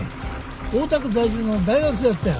大田区在住の大学生だったよ。